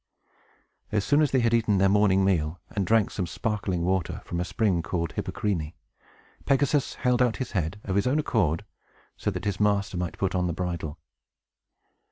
As soon as they had eaten their morning meal, and drank some sparkling water from a spring called Hippocrene, Pegasus held out his head, of his own accord, so that his master might put on the bridle.